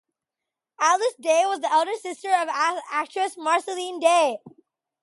Alice Day was the elder sister of actress Marceline Day.